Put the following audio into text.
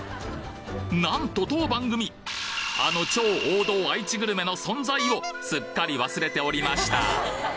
なんと当番組、あの超王道愛知グルメの存在をすっかり忘れておりました。